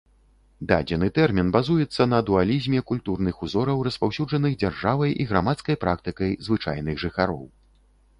Дадзены тэрмін базуецца на дуалізме культурных узораў распаўсюджаных дзяржавай і грамадскай практыкай звычайных жыхароў.